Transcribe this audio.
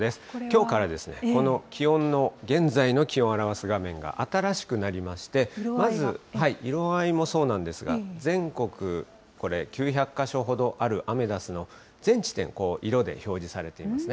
きょうからこの気温の、現在の気温を表す画面が新しくなりまして、まず、色合いもそうなんですが、全国、これ９００か所ほどあるアメダスの全地点を色で表示されていますね。